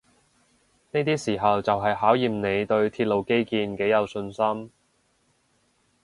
呢啲時候就係考驗你對鐵路基建幾有信心